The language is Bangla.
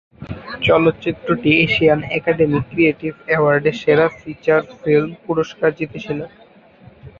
চলচ্চিত্রটি এশিয়ান একাডেমি ক্রিয়েটিভ অ্যাওয়ার্ডে সেরা ফিচার ফিল্ম পুরস্কার জিতেছিল।